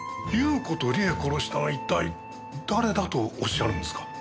裕子と理恵を殺したのは一体誰だとおっしゃるんですか？